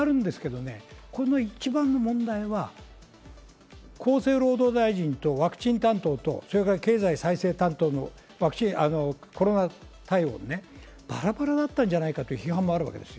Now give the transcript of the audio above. この一番の問題は厚生労働大臣とワクチン担当大臣と経済再生担当大臣のコロナ対応がバラバラだったんじゃないかという批判もあるわけです。